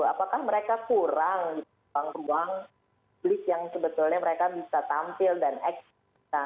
apakah mereka kurang ruang publik yang sebetulnya mereka bisa tampil dan eksistensi